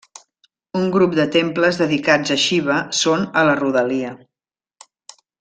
Un grup de temples dedicats a Xiva són a la rodalia.